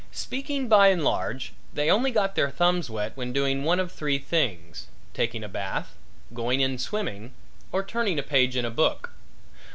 Speaking by and large, they only got their thumbs wet when doing one of three things taking a bath, going in swimming or turning a page in a book.